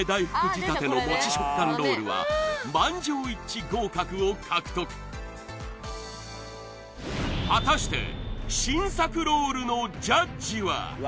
仕立てのもち食感ロールは満場一致合格を獲得果たして新作ロールのジャッジは？